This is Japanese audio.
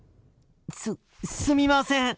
すすみません。